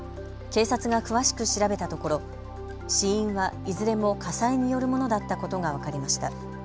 警察が詳しく調べたところ死因はいずれも火災によるものだったことが分かりました。